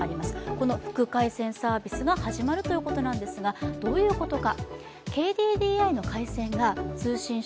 この副回線サービスが始まるということですが、どういうことか。